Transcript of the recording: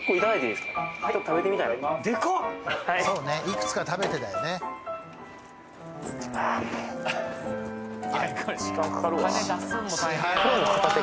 いくつか食べてだよねあっ